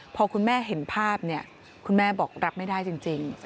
พอคุณแม่เห็นภาพเนี่ยคุณแม่บอกรับไม่ได้จริง